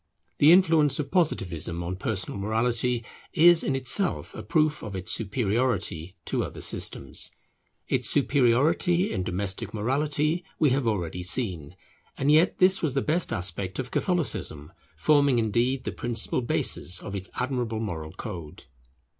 The influence of Positivism on personal morality is in itself a proof of its superiority to other systems. Its superiority in domestic morality we have already seen, and yet this was the best aspect of Catholicism, forming indeed the principal basis of its admirable moral code.